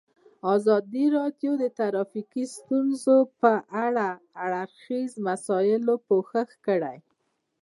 ازادي راډیو د ټرافیکي ستونزې په اړه د هر اړخیزو مسایلو پوښښ کړی.